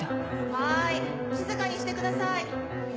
はい静かにしてください